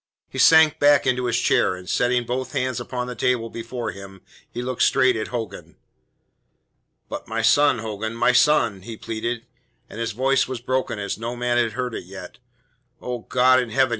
He sank back into his chair, and setting both hands upon the table before him, he looked straight at Hogan. "But my son, Hogan, my son?" he pleaded, and his voice was broken as no man had heard it yet. "Oh, God in heaven!"